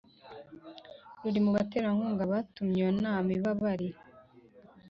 ruri mubaterankunga batumye iyo nama iba bari